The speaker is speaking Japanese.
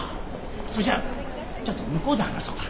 それじゃちょっと向こうで話そうか。